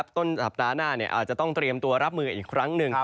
ต้นสัปดาห์หน้าอาจจะต้องเตรียมตัวรับมืออีกครั้งหนึ่ง